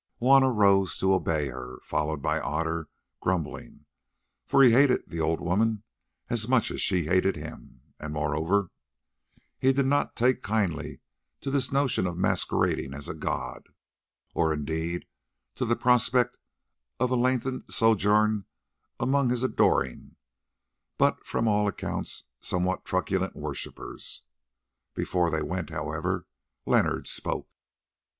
Juanna rose to obey her, followed by Otter, grumbling, for he hated the old woman as much as she hated him, and, moreover, he did not take kindly to this notion of masquerading as a god, or, indeed, to the prospect of a lengthened sojourn amongst his adoring, but from all accounts somewhat truculent, worshippers. Before they went, however, Leonard spoke.